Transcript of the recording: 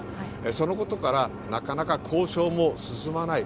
そのことからなかなか交渉も進まない。